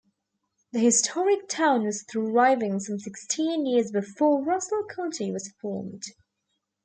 The historic town was thriving some sixteen years before Russell County was formed.